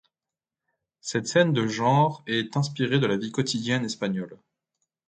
Cette scène de genre est inspirée de la vie quotidienne espagnole.